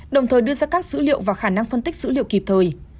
đồng thời đưa ra các dữ liệu và khả năng phân tích dữ liệu kịp thời